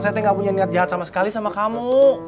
saya gak punya niat jahat sama sekali sama kamu